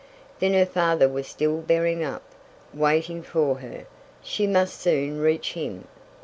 Then her father was still bearing up, waiting for her! She must soon reach him!